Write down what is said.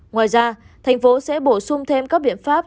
ngoài ra tp hcm sẽ bổ sung thêm các biện pháp